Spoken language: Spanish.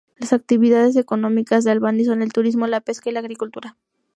Las actividades económicas de Albany son el turismo, la pesca y la agricultura.